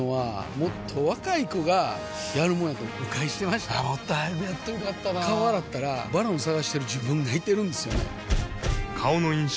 もっと早くやっといたら良かったなぁ顔洗ったら「ＶＡＲＯＮ」探してる自分がいてるんですよね